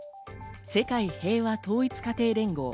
世界平和統一家庭連合。